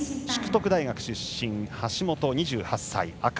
淑徳大学出身の橋本、２８歳、赤。